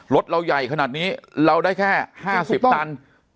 รถเราใหญ่ขนาดนี้เราได้แค่๕๐ตัน